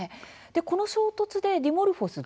この衝突でディモルフォス